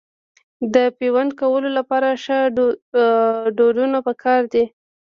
د پیوند کولو لپاره ښه ډډونه پکار دي.